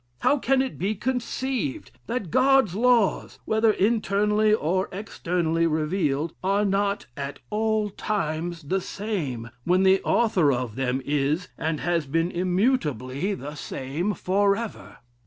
How can it be conceived, that God's laws, whether internally, or externally revealed, are not at all times the same, when the author of them is, and has been immutably the same forever?'"